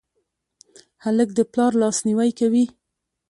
هلک د پلار لاسنیوی کوي.